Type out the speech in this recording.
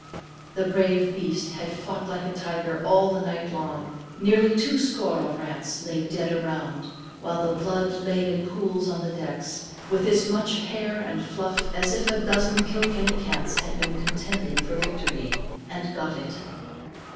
The brave beast had fought like a tiger all the night long, nearly two score of rats lay dead around, while the blood lay in pools on the decks, with as much hair and fluff, as if a dozen Kilkenny cats had been contending for victory and got it.